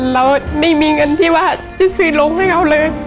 เราไม่มีเงินที่ว่าจะซื้อลงให้เขาเลย